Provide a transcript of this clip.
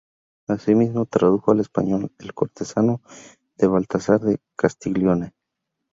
Asimismo, tradujo al español "El Cortesano" de Baltasar de Castiglione.